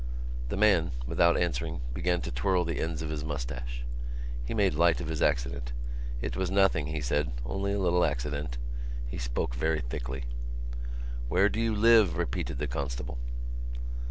The man, without answering, began to twirl the ends of his moustache. He made light of his accident. It was nothing, he said: only a little accident. He spoke very thickly. "Where do you live?" repeated the constable.